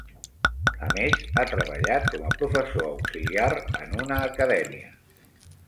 A més, ha treballat com a professor auxiliar en una acadèmia.